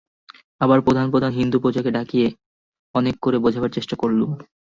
আমার প্রধান প্রধান হিন্দু প্রজাকে ডাকিয়ে অনেক করে বোঝাবার চেষ্টা করলুম।